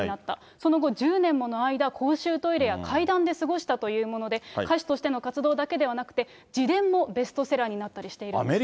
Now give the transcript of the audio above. その後、１０年もの間、公衆トイレや階段で過ごしたというもので、歌手としての活動だけではなくて、自伝もベストセラーになったりしているんですね。